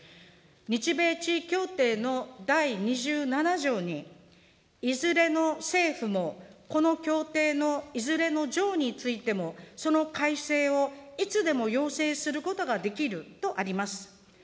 日米地位協定の第２７条に、いずれの政府もこの協定のいずれの条についても、その改正をいつでも要請することができるとあります。